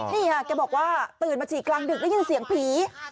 นี่ค่ะแกบอกว่าตื่นมาฉี่กลางดึกได้ยินเสียงผี